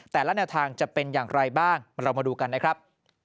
แต่ละแนวทางจะเป็นอย่างไรบ้างเรามาดูกันนะครับ